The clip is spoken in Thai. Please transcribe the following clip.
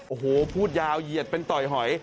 โอ้โหพูดยาวเหยียดเป็นต่อยหอย